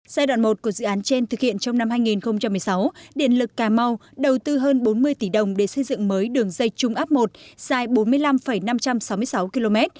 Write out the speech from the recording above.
giai đoạn một của dự án trên thực hiện trong năm hai nghìn một mươi sáu điện lực cà mau đầu tư hơn bốn mươi tỷ đồng để xây dựng mới đường dây trung áp một dài bốn mươi năm năm trăm sáu mươi sáu km